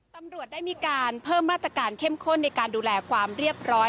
ตำรวจได้มีการเพิ่มมาตรการเข้มข้นในการดูแลความเรียบร้อย